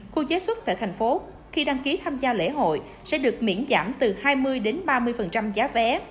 khu chế xuất tại thành phố khi đăng ký tham gia lễ hội sẽ được miễn giảm từ hai mươi đến ba mươi giá vé